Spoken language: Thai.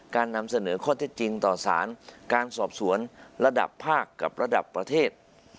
นำเสนอข้อเท็จจริงต่อสารการสอบสวนระดับภาคกับระดับประเทศ